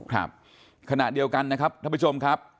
ครับขณะเดียวกันนะครับท่านผู้ชมครับ